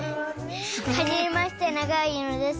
はじめまして永尾柚乃です。